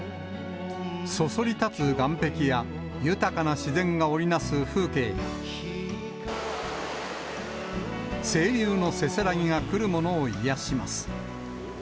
そそり立つ岸壁や、豊かな自然が織りなす風景や、清流のせせらぎが来る者を癒やします。